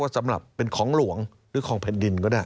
สำหรับเป็นของหลวงหรือของแผ่นดินก็ได้